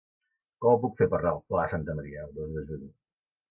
Com ho puc fer per anar al Pla de Santa Maria el dos de juny?